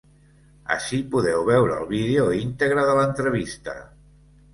Ací podeu veure el vídeo íntegre de l’entrevista.